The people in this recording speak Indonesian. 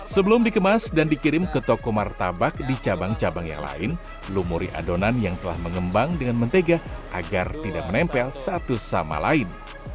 sebelum dikemas dan dikirim ke toko martabak di cabang cabang yang lain lumuri adonan yang telah mengembang dengan mentega agar tidak menempel satu sama lain